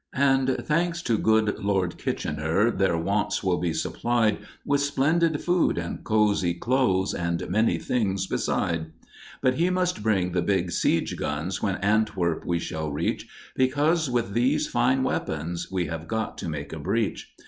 And thanks to good Lord Kitchener, their wants will be supplied With splendid food and cosy clothes and many things beside; But he must bring the big siege guns when Antwerp we shall reach, Because with these fine weapons we have got to make a breach.